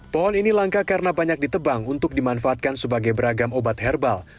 pohon ini langka karena banyak ditebang untuk dimanfaatkan sebagai beragam obat herbal